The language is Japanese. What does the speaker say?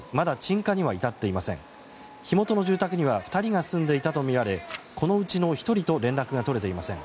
火元の住宅には２人が住んでいたとみられこのうちの１人と連絡が取れていません。